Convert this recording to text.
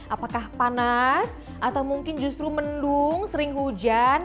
apakah panas atau mungkin justru mendung sering hujan